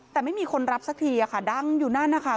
แต่ไม่มีคนรับสักทีค่ะดังอยู่นั่นนะคะ